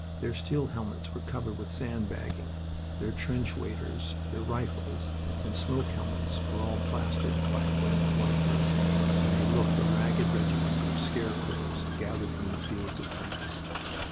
Their steel helmets were covered with sand bagging, their trench waders, their rifles, and smoke helmets were all plastered by wet, white earth, and they looked a ragged regiment of scarecrows gathered from the fields of France.